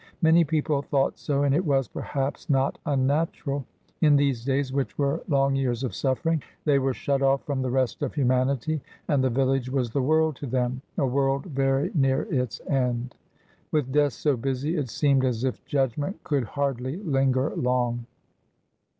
Many people thought so, and it was, perhaps, not unnatural. In these days, which were long years of suffering, they were shut off from the rest of humanity, and the village was the world to them,—a world very near its end. With Death so busy, it seemed as if Judgment could hardly linger long.